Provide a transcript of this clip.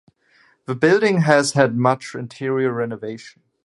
The building has had much interior renovation.